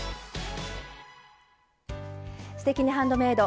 「すてきにハンドメイド」